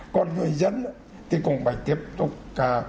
còn người dân thì cũng phải tiếp tục